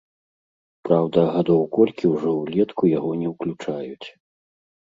Праўда, гадоў колькі ўжо ўлетку яго не ўключаюць.